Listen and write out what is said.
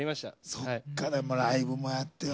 そっかでもライブもやって。